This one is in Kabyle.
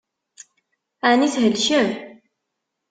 Ɛni thelkem?